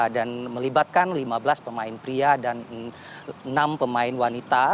dan melibatkan lima belas pemain pria dan enam pemain wanita